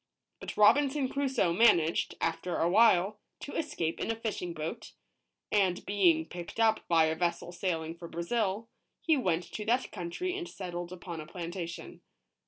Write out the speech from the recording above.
But Robinson Crusoe managed, after a while, to es cape in a fishing boat ; and being picked up by a vessel sail ing for Brazil, he went to that country and settled upon a plantation.